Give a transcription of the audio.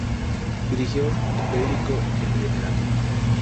Dirigió el periódico "El Liberal".